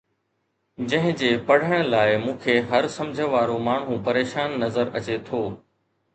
جنهن جي پڙهڻ لاءِ مون کي هر سمجهه وارو ماڻهو پريشان نظر اچي ٿو